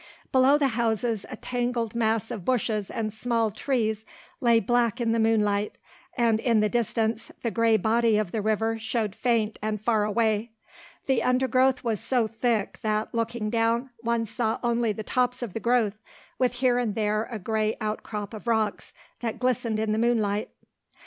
Below the houses a tangled mass of bushes and small trees lay black in the moonlight, and in the distance the grey body of the river showed faint and far away. The undergrowth was so thick that, looking down, one saw only the tops of the growth, with here and there a grey outcrop of rocks that glistened in the moonlight.